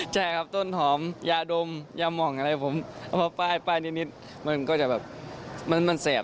ใช่ครับต้นหอมยาดมยามองอะไรผมพอป้ายนิดมันก็จะแบบมันแสบ